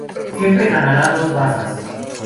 Siempre ganará dos bazas.